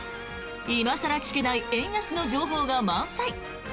今更聞けない円安の情報が満載！